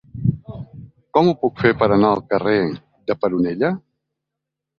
Com ho puc fer per anar al carrer de Peronella?